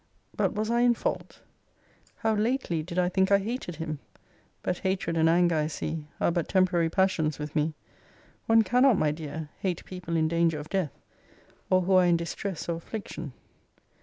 But was I in fault? How lately did I think I hated him! But hatred and anger, I see, are but temporary passions with me. One cannot, my dear, hate people in danger of death, or who are in distress or affliction.